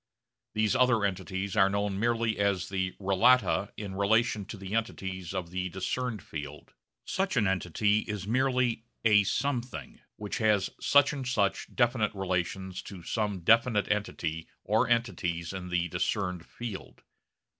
These other entities are known merely as the relata in relation to the entities of the discerned field. Such an entity is merely a 'something' which has such and such definite relations to some definite entity or entities in the discerned field.